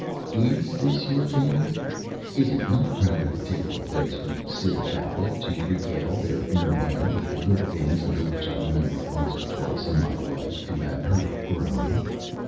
Is this your table? Is it not rather the table of those who sit about it to regale their inner man with the good things under which I remember once or twice in my life to have heard it groan?